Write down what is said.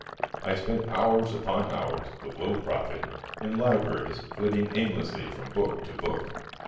I spent hours upon hours, with little profit, in libraries, flitting aimlessly from book to book.